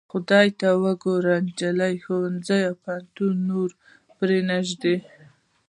خدای ته وګورئ د نجونو ښوونځي او پوهنځي نور پرانیزئ.